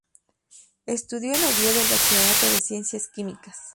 Estudió en Oviedo el Bachillerato de Ciencias Químicas.